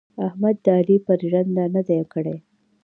احمد د علي پر ژنده نه دي کړي.